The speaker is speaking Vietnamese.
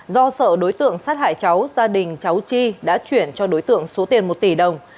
do sợ đối tượng sát hại cháu gia đình cháu chi đã chuyển cho đối tượng số tiền một tỷ đồng